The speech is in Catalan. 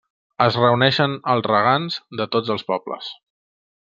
Es reuneixen els regants de tots els pobles.